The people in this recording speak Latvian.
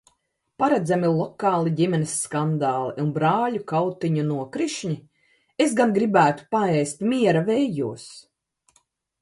Paredzami lokāli ģimenes skandāli un brāļu kautiņu nokrišņi? Es gan gribētu paēst miera vējos!